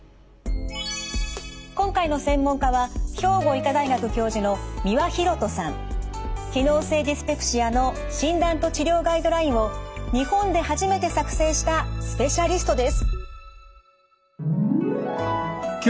今回の専門家は機能性ディスペプシアの診断と治療ガイドラインを日本で初めて作成したスペシャリストです。